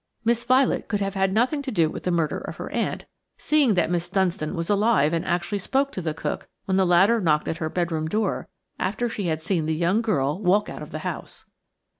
Miss Violet could have had nothing to do with the murder of her aunt, seeing that Mrs. Dunstan was alive and actually spoke to the cook when the latter knocked at her bedroom door after she had seen the young girl walk out of the house.